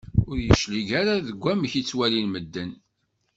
Ur yeclig ara deg wamek i tettwalin medden.